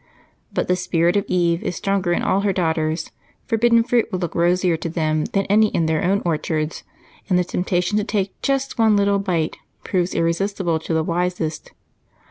But the spirit of Eve is strong in all her daughters forbidden fruit will look rosier to them than any in their own orchards, and the temptation to take just one little bite proves irresistible to the wisest.